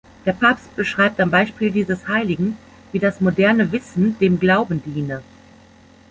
Der Papst beschreibt am Beispiel dieses Heiligen, wie das moderne Wissen dem Glauben diene.